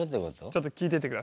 ちょっと聞いてて下さい。